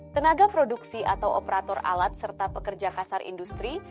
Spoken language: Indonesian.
tenaga produksi atau operator alat serta pekerja kasar industri